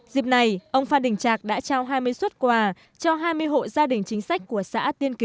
dịp này ông phan đình trạc đã trao hai mươi xuất quà cho hai mươi hộ gia đình chính sách của xã tiên kỳ